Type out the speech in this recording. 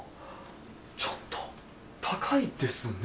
ちょっと高いですね。